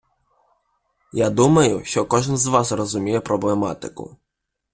Я думаю, що кожен з вас розуміє проблематику.